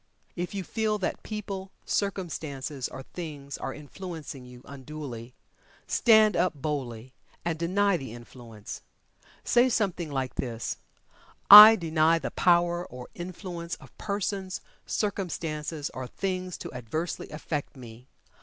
If you feel that people, circumstances, or things are influencing you unduly, stand up boldly, and deny the influence. Say something like this, "I DENY the power or influence of persons, circumstances, or things to adversely affect me.